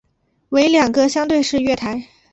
为两个相对式月台。